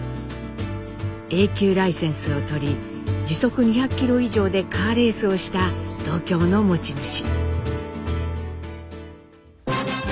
Ａ級ライセンスを取り時速２００キロ以上でカーレースをした度胸の持ち主。